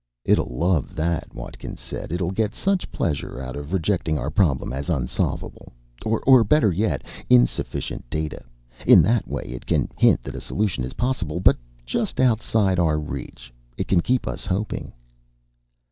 "It'll love that," Watkins said. "It'll get such pleasure out of rejecting our problem as unsolvable. Or better yet insufficient data. In that way, it can hint that a solution is possible, but just outside our reach. It can keep us hoping."